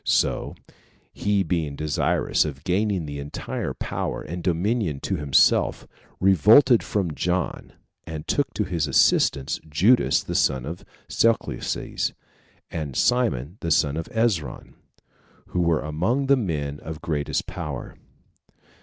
So he being desirous of gaining the entire power and dominion to himself, revolted from John, and took to his assistance Judas the son of Chelcias, and Simon the son of Ezron, who were among the men of greatest power.